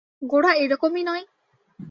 গোরা এরকমই নয়।